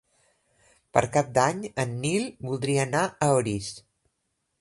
Per Cap d'Any en Nil voldria anar a Orís.